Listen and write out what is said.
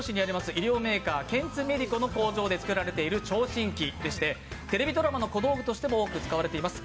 医療メーカーケンツメディコの工場で作られている聴診器でしてテレビドラマの小道具としてもよく使われています。